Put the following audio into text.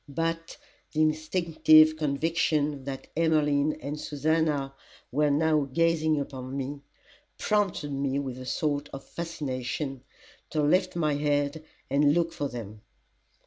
But, the instinctive conviction that Emmeline and Susannah were now gazing upon me, prompted me with a sort of fascination, to lift my head and look for them.